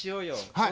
はい。